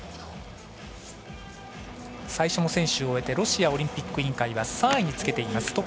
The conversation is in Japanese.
最初の選手を終えてロシアオリンピック委員会は３位につけています。